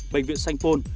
bệnh viện sanh pôn